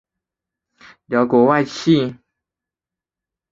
辽国外戚。